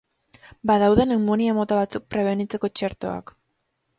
Badaude pneumonia mota batzuk prebenitzeko txertoak.